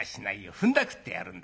ふんだくってやるんだ。